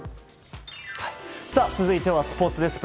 続いてはスポーツです。